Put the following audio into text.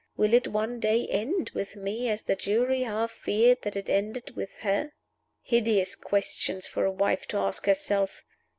Will it one day end with me as the jury half feared that it ended with her?' Hideous questions for a wife to ask herself!